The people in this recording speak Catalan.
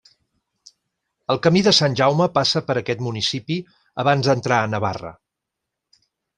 El Camí de Sant Jaume passa per aquest municipi abans d'entrar a Navarra.